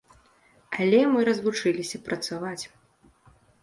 Але мы развучыліся працаваць.